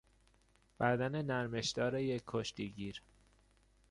بدن نرمشدار یک کشتی گیر